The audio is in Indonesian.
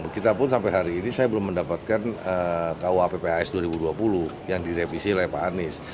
kita pun sampai hari ini saya belum mendapatkan kuappis dua ribu dua puluh yang direvisi oleh pak anies